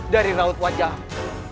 dari raut wajahmu